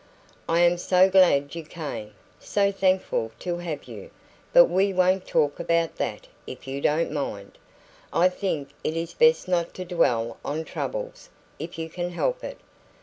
"I am so glad you came so thankful to have you; but we won't talk about that, if you don't mind. I think it is best not to dwell on troubles, if you can help it.